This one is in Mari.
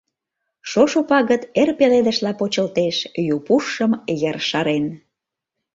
Шошо пагыт эр пеледышла почылтеш, ю пушшым йыр шарен.